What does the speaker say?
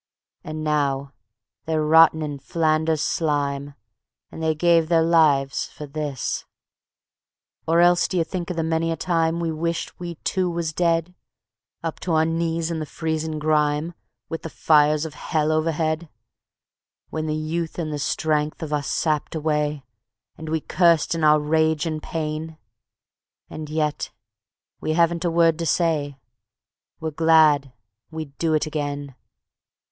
And now they're rottin' in Flanders slime, And they gave their lives for this. Or else d'ye think of the many a time We wished we too was dead, Up to our knees in the freezin' grime, With the fires of hell overhead; When the youth and the strength of us sapped away, And we cursed in our rage and pain? And yet we haven't a word to say. ... We're glad. We'd do it again.